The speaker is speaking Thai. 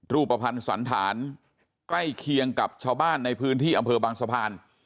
รูปภัณฑ์สันธารใกล้เคียงกับชาวบ้านในพื้นที่อำเภอบางสะพาน